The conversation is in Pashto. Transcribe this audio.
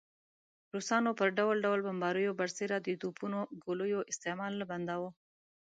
روسانو پر ډول ډول بمباریو برسېره د توپونو ګولیو استعمال نه بنداوه.